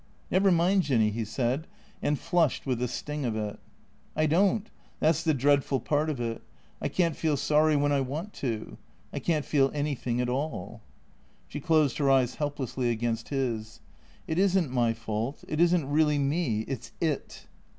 " Never mind. Jinny," he said, and flushed with the sting of it. " I don't. That 's the dreadful part of it. I can't feel sorry when I want to. I can't feel anything at all." She closed her eyes helplessly against his. " It is n't my fault. It is n't really me. It 's It."